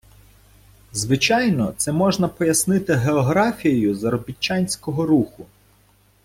Звичайно, це можна пояснити географією заробітчанського руху.